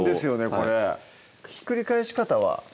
これひっくり返し方は？